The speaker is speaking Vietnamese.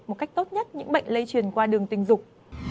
một cách tốt nhất những bệnh lây truyền qua đường tình dục